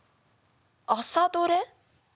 「朝どれ」？